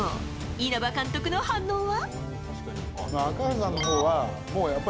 稲葉監督の反応は。